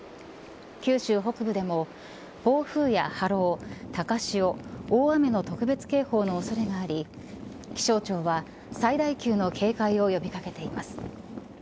九州北部でも暴風や波浪、高潮大雨の特別警報の恐れがあり気象庁は最大級の警戒を呼び掛けています。